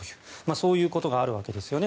そういうことがあるわけですね。